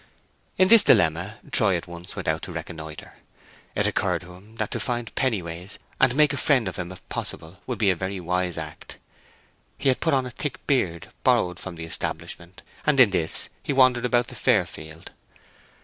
In this dilemma Troy at once went out to reconnoitre. It occurred to him that to find Pennyways, and make a friend of him if possible, would be a very wise act. He had put on a thick beard borrowed from the establishment, and in this he wandered about the fair field.